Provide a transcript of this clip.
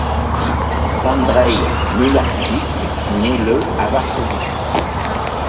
Andrzej Mularczyk naît le à Varsovie.